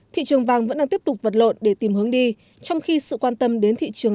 thị trường vàng vẫn đang tiếp tục vật lộn để tìm hướng đi trong khi sự quan tâm đến thị trường